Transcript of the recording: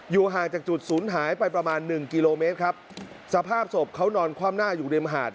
ห่างจากจุดศูนย์หายไปประมาณหนึ่งกิโลเมตรครับสภาพศพเขานอนคว่ำหน้าอยู่ริมหาด